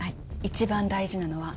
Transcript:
一番大事なのは